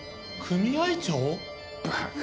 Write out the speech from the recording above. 組合長。